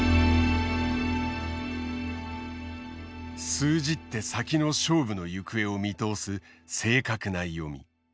数十手先の勝負の行方を見通す正確な読み。